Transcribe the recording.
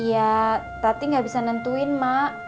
iya tadi gak bisa nentuin mak